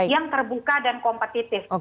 yang terbuka dan kompetitif